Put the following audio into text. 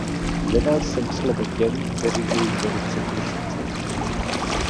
Nedal jsem slovo těm, kteří jej měli před měsícem.